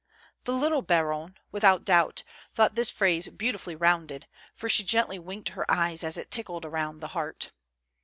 The little baronne, without doubt, thought this phrase beautifully rounded, for she gently winked her eyes as if tickled around the heart.